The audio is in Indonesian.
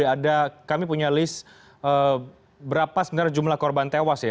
ada kami punya list berapa sebenarnya jumlah korban tewas ya